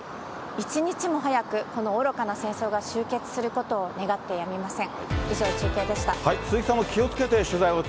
一日も早くこの愚かな戦争が終結することを願ってやみません。